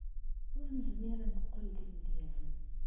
Ur nezmir ad neqqel d imedyazen.